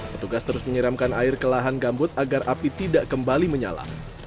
petugas terus menyiramkan air ke lahan gambut agar api tidak kembali menyala